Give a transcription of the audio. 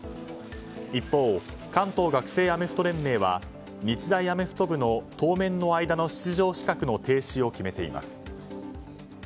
一方、関東学生アメフト連盟は日大アメフト部の当面の間の出場資格の停止を決めています。